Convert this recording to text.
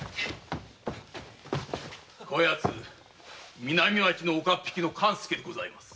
こやつ南町の岡っ引き勘助でございます。